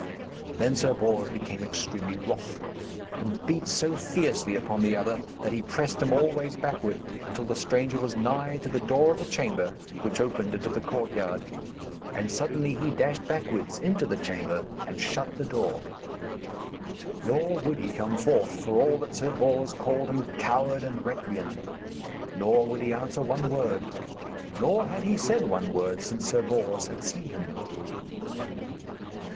Then Sir Bors became extremely wroth, and beat so fiercely upon the other that he pressed him always backward until the stranger was nigh to the door of a chamber which opened into the courtyard; and suddenly he dashed backwards into the chamber and shut the door. Nor would he come forth, for all that Sir Bors called him coward and recreant. Nor would he answer one word, nor had he said one word since Sir Bors had seen him.